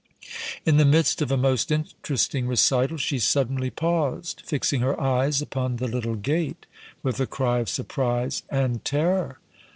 In the midst of a most interesting recital, she suddenly paused, fixing her eyes upon the little gate, with a cry of surprise and terror.